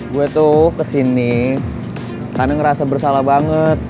gue tuh kesini karena ngerasa bersalah banget